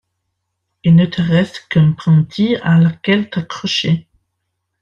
Il ne te reste qu’une brindille à laquelle t’accrocher.